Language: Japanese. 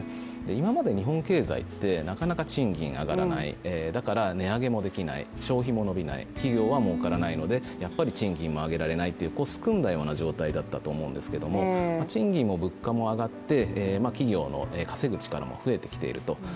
今まで日本経済って、なかなか賃金上がらないだから値上げもできない、消費も伸びない、企業は儲からないのでやっぱり賃金も上げられないというすくんだような状態だったんですけど賃金も物価も上がって企業の稼ぐ力も増えてきていると。